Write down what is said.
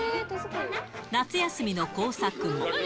夏休みの工作も。